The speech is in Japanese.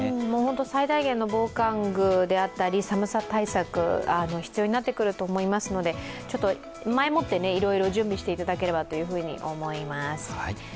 最大限の防寒具であったり寒さ対策が必要になってくると思いますので、前もっていろいろ準備していただければと思います。